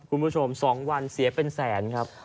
คุณผู้ชม๒วันเสียเป็นแสนครับ